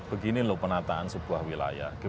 begini loh penataan sebuah wilayah